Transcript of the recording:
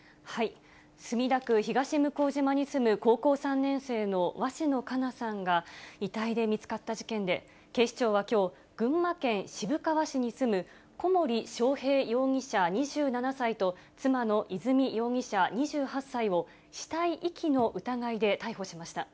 墨田区東向島に住む高校３年生の鷲野花夏さんが、遺体で見つかった事件で、警視庁はきょう、群馬県渋川市に住む小森章平容疑者２７歳と妻の和美容疑者２８歳を、死体遺棄の疑いで逮捕しました。